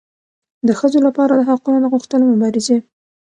د ښځو لپاره د حقونو د غوښتلو مبارزې